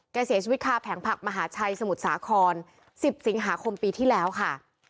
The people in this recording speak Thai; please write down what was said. เสียชีวิตคาแผงผักมหาชัยสมุทรสาคร๑๐สิงหาคมปีที่แล้วค่ะ